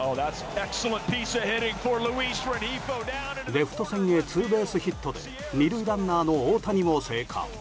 レフト線へツーベースヒットで２塁ランナーの大谷も生還。